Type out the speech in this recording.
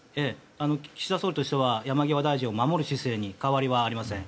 岸田総理としては山際大臣を守る姿勢に変わりはありません。